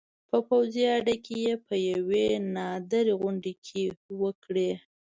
په پوځي اډې کې په یوې نادرې غونډې کې وکړې